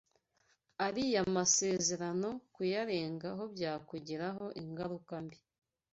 Ariya masezerano kuyarengaho byakugiraho ingaruka mbi